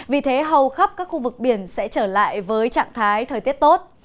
vì thế hầu khắp các khu vực biển sẽ trở lại với trạng thái thời tiết tốt